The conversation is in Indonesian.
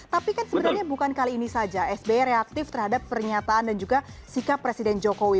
tapi kan sebenarnya bukan kali ini saja sby reaktif terhadap pernyataan dan juga sikap presiden jokowi